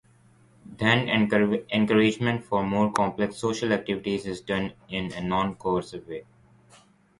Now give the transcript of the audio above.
Then encouragement for more complex social activities is done in a non-coercive way.